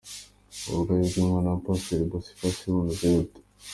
Uburwayi bw’umwana wa Pastor Bociface bumeze gute:.